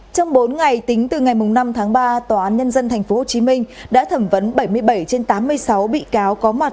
trong bốn ngày tính từ ngày năm tháng ba tòa án nhân dân tp hcm đã thẩm vấn bảy mươi bảy trên tám mươi sáu bị cáo có mặt